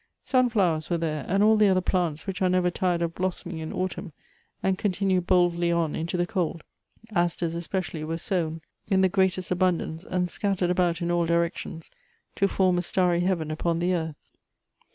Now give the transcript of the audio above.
Sun flowers were there, and all the other plants which are never tired of blossom ing in autumn, and continue boldly on into the cold :. asters especially were sown in the greatest abundance, and scattered about in all directions, to form a starry heaven upon the earth.